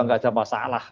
tidak ada masalah